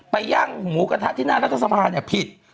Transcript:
ไปย่างหมูกระทะที่หน้ารัฐสภาคมผิด